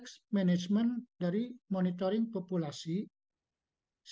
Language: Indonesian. sampai batas minimum seberapa pemerintah itu jangan terlalu khawatir tentang masalah dropnya